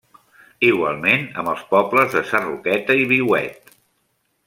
Igualment amb els pobles de Sarroqueta i Viuet.